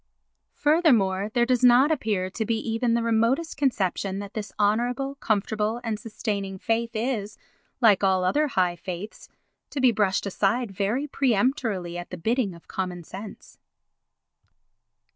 Furthermore there does not appear to be even the remotest conception that this honourable, comfortable and sustaining faith is, like all other high faiths, to be brushed aside very peremptorily at the bidding of common sense.